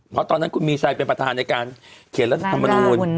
เพราะตอนนั้นคุณมีชัยเป็นประธานในการเขียนรัฐธรรมนูล